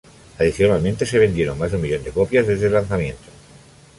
Adicionalmente, se vendieron más de un millón de copias desde el lanzamiento.